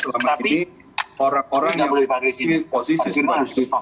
tapi kita tidak boleh pakai ini